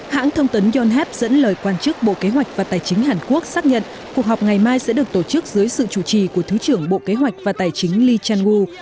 hãng thông tấn yonhap dẫn lời quan chức bộ kế hoạch và tài chính hàn quốc xác nhận cuộc họp ngày mai sẽ được tổ chức dưới sự chủ trì của thứ trưởng bộ kế hoạch và tài chính lee chang gu